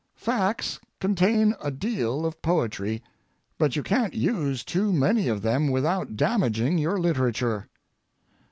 Facts contain a deal of poetry, but you can't use too many of them without damaging your literature.